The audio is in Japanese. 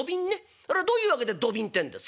ありゃどういう訳で土瓶ってんですか？」。